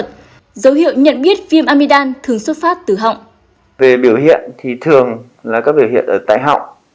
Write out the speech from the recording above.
tuy nhiên tỷ lệ này không quá cao